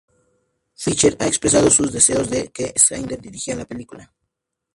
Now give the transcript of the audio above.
Fisher ha expresado sus deseos de que Snyder dirija la película.